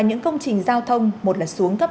những công trình giao thông một là xuống cấp